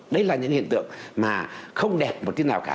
đấy là những hiện tượng mà không đẹp một thế nào cả